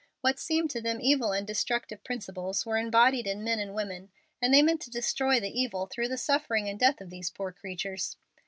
What seemed to them evil and destructive principles were embodied in men and women, and they meant to destroy the evil through the suffering and death of these poor creatures."